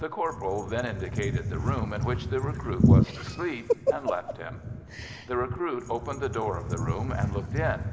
The corporal then indicated the room in which the recruit was to sleep, and left him. The recruit opened the door of the room, and looked in.